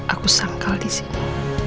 aku sangkal disini